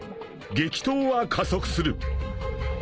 激闘は加速する］